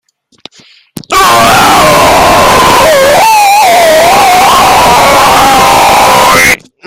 The chimpanzee Ai and her son Ayumu live there.